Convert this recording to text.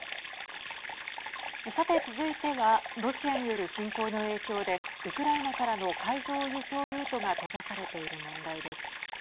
さて、続いてはロシアによる侵攻の影響でウクライナからの海上輸送ルートが閉ざされている問題です。